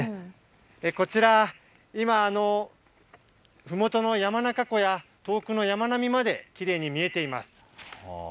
こちら、今はふもとの山中湖や遠くの山並みまできれいに見えています。